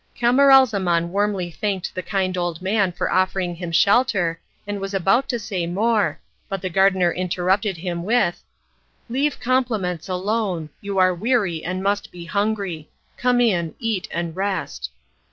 Camaralzaman warmly thanked the kind old man for offering him shelter, and was about to say more, but the gardener interrupted him with: "Leave compliments alone. You are weary and must be hungry. Come in, eat, and rest."